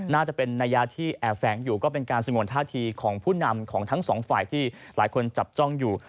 น่าจะเป็นนัยะที่แอบแฝงอยู่ก็เป็นการสงวนท่าทีของผู้นำของทั้งสองฝ่ายที่หลายคนจับจ้องอยู่